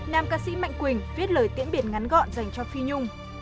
nam ca sĩ mạnh quỳnh viết lời tiễn biệt ngắn gọn dành cho phi nhung